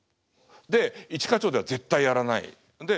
で「一課長」では絶対やらない。